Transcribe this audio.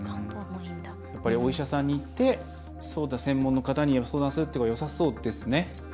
お医者さんに行って専門の方に相談するということがよさそうですね？